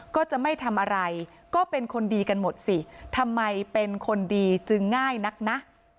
ก็จะไม่ทำอะไรก็เป็นคนดีกันหมดสิทำไมเป็นคนดีจึงง่ายนักนะ